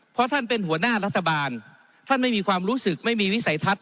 เพราะท่านเป็นหัวหน้ารัฐบาลท่านไม่มีความรู้สึกไม่มีวิสัยทัศน